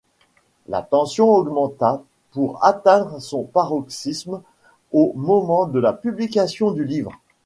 La tension augmenta pour atteindre son paroxysme au moment de la publication du livre.